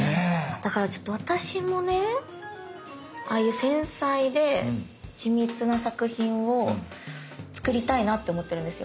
だからちょっと私もねああいう繊細で緻密な作品を作りたいなって思ってるんですよ。